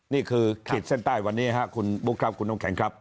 ขีดเส้นใต้วันนี้ครับคุณบุ๊คครับคุณน้ำแข็งครับ